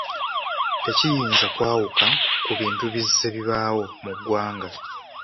Tekiyinza kwawuka ku bintu bizze bibaawo mu ggwanga.